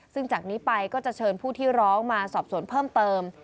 ซึ่งจากนี้ไปก็จะเชิญผู้ที่ร้องมาสอบสวนเพิ่มเติม